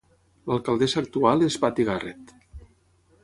L'alcaldessa actual és Patti Garrett.